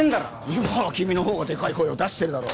今は君のほうがでかい声を出してるだろ！